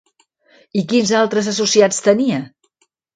I quins altres associats tenia?